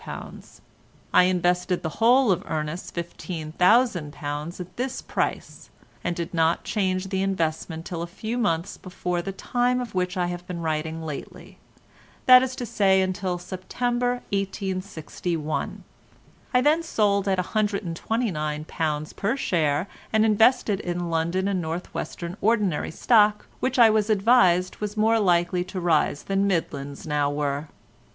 I invested the whole of Ernest's £15,000 at this price, and did not change the investment till a few months before the time of which I have been writing lately—that is to say until September 1861. I then sold at £129 per share and invested in London and North Western ordinary stock, which I was advised was more likely to rise than Midlands now were.